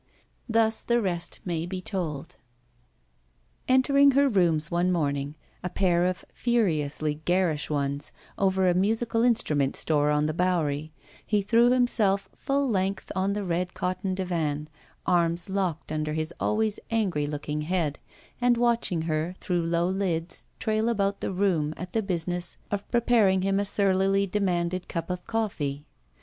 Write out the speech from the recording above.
Thus the rest may be told: Entering her rooms one morning, a pair of furi ously garish ones over a musical instrument store on the Bowery, he threw himself full length on the red cotton divan, arms locked under his always angry looking head, and watching her, through low lids, trail about the room at the business of preparing him a surlily demanded cup of coffee.